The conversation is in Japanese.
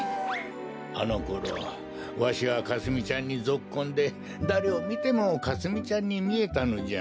あのころわしはかすみちゃんにぞっこんでだれをみてもかすみちゃんにみえたのじゃ。